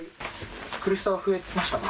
苦しさは増えましたか？